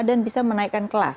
dan bisa menaikkan kelas